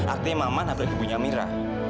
artinya mama nabrak ibunya amira